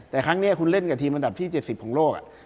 แต่ครั้งนี้คุณเล่นกับทีมอันดับที่๗๐ของโลก